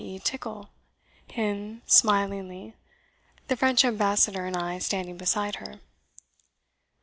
e., tickle) him, smilingly, the French Ambassador and I standing beside her."